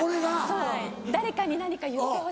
そう誰かに何か言ってほしい。